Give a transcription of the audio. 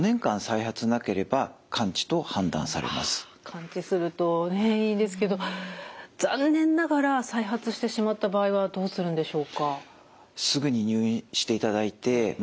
完治するとねいいですけど残念ながら再発してしまった場合はどうするんでしょうか？